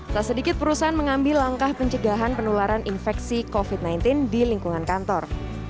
tak sedikit perusahaan mengambil langkah pencegahan penularan infeksi covid sembilan belas di lingkungan kantor